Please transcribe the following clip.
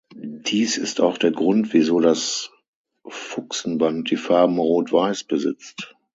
Dies ist auch der Grund, wieso das Fuchsenband die Farben „rot-weiß“ besitzt.